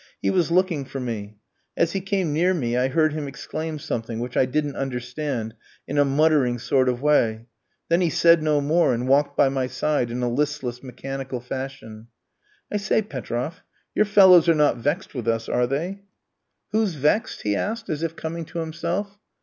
He was looking for me. As he came near me, I heard him exclaim something, which I didn't understand, in a muttering sort of way; then he said no more, and walked by my side in a listless, mechanical fashion. "I say, Petroff, your fellows are not vexed with us, are they?" "Who's vexed?" he asked, as if coming to himself.